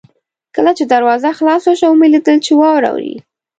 کله چې دروازه خلاصه شوه ومې لیدل چې واوره اورې.